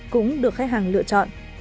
cũng được khách hàng lựa chọn